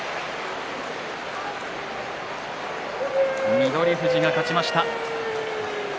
翠富士が勝ちました。